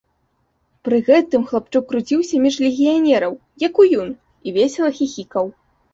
Пры гэтым хлапчук круціўся між легіянераў, як уюн, і весела хіхікаў.